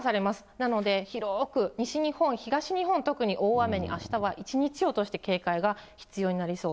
なので、広く、西日本、東日本、特に大雨に、あしたは一日を通して警戒が必要になりそう。